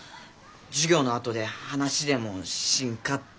授業のあとで話でもしんかって。